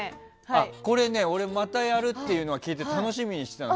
これ、俺またやるって聞いて楽しみにしてたの。